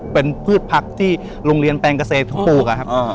เป็นพืชผักที่โรงเรียนแปลงเกษตรปลูกอะครับ